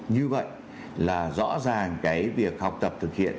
như vậy là rõ ràng cái việc học tập thực hiện